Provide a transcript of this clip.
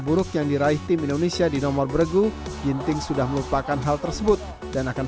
buruk yang diraih tim indonesia di nomor bergu ginting sudah melupakan hal tersebut dan akan